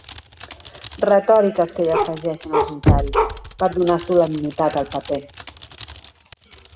Retòriques que hi afegeixen els notaris pera donar solemnitat al paper